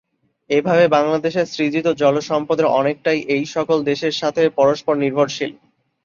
এভাবে বাংলাদেশে সৃজিত জলসম্পদের অনেকটাই এইসকল দেশের সাথে পরষ্পর নির্ভরশীল।